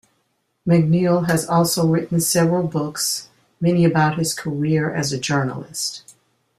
MacNeil has also written several books, many about his career as a journalist.